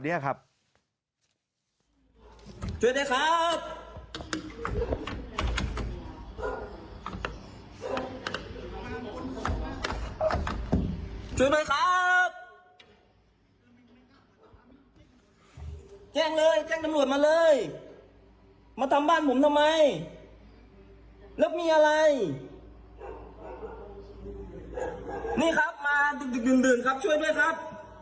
นี่ครับมาดึกดื่นครับช่วยด้วยครับ